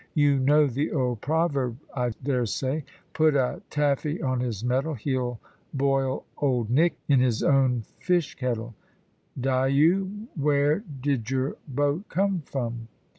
You know the old proverb, I daresay, 'Put a Taffy on his mettle, he'll boil Old Nick in his own fish kettle.' Dyo, where did your boat come from?"